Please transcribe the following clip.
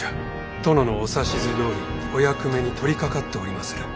殿のお指図どおりお役目に取りかかっておりまする。